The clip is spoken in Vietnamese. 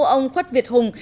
ông khuất việt hùng